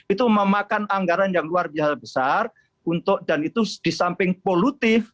itu memakan anggaran yang luar biasa besar untuk dan itu di samping polutif